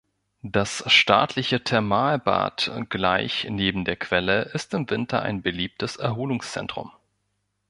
Das staatliche Thermalbad gleich neben der Quelle ist im Winter ein beliebtes Erholungszentrum.